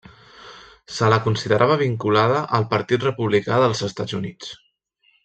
Se la considerava vinculada al Partit Republicà dels Estats Units.